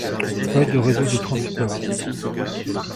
Pas de réseau de transport.